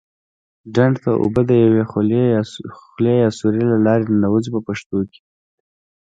ډنډ ته اوبه د یوې خولې یا سوري له لارې ننوزي په پښتو کې.